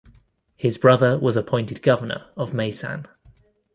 His brother was appointed governor of Maysan.